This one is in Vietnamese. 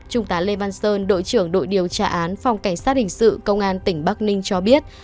trung tá lê văn sơn đội trưởng đội điều tra án phòng cảnh sát hình sự công an tỉnh bắc ninh cho biết